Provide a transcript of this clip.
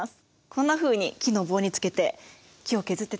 こんなふうに木の棒につけて木を削ってたんだね。